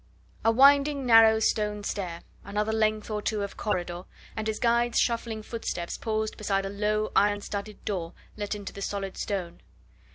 A winding, narrow stone stair, another length or two of corridor, and his guide's shuffling footsteps paused beside a low iron studded door let into the solid stone.